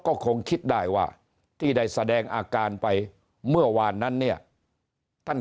ก็คงคิดได้ว่าที่ได้แสดงอาการไปเมื่อวานนั้นเนี่ยท่าน